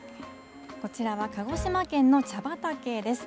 こちらは鹿児島県の茶畑です。